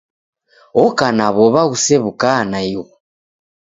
Oka na w'ow'a ghusew'uka naighu!